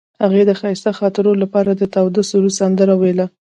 هغې د ښایسته خاطرو لپاره د تاوده سرود سندره ویله.